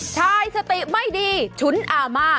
ชายสติไม่ดีฉุนอาม่า